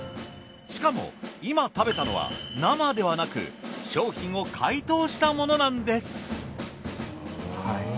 しかも今食べたのは生ではなく商品を解凍したものなんです。